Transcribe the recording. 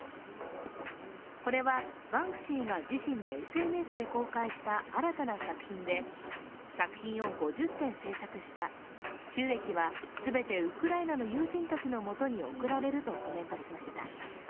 これはバンクシーが自身のＳＮＳで公開した新たな作品で、作品を５０点制作した、収益は全てウクライナの友人たちのもとに送られるとコメントしました。